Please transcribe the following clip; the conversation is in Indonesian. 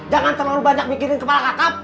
jangan terlalu banyak bikinin kepala kakap